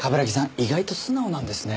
意外と素直なんですね。